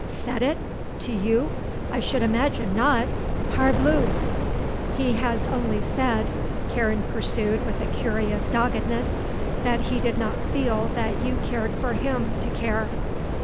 "Said it? To you? I should imagine not, parbleu!" "He has only said," Karen pursued with a curious doggedness, "that he did not feel that you cared for him to care."